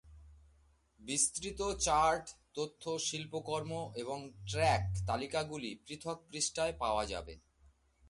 বিস্তৃত চার্ট তথ্য, শিল্পকর্ম এবং ট্র্যাক তালিকাগুলি পৃথক পৃষ্ঠায় পাওয়া যাবে।